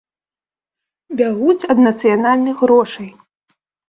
Бягуць ад нацыянальных грошай!